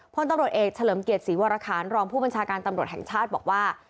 พลตำรวจเอกเฉลิมเกียรติศรีวรคารรองผู้บัญชาการตำรวจแห่งชาติบอกว่า